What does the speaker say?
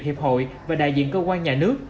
hiệp hội và đại diện cơ quan nhà nước